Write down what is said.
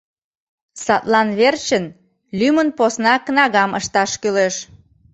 Садлан верчын лӱмын посна кнагам ышташ кӱлеш.